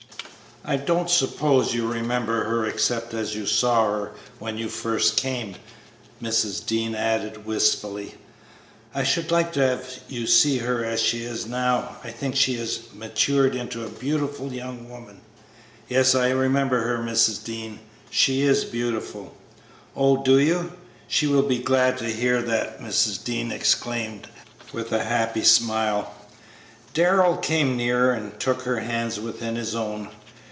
"I don't suppose you remember her except as you saw her when you first came," Mrs. Dean added, wistfully; "I should like to have you see her as she is now. I think she has matured into a beautiful young woman." "Yes, I remember her, Mrs. Dean; she is beautiful." "Oh, do you? She will be glad to hear that!" Mrs. Dean exclaimed, with a happy smile. Darrell came nearer and took her hands within his own.